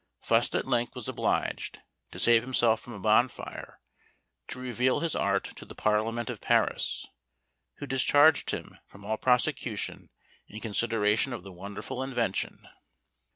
Fust at length was obliged, to save himself from a bonfire, to reveal his art to the Parliament of Paris, who discharged him from all prosecution in consideration of the wonderful invention.